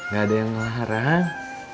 gak ada yang ngelarang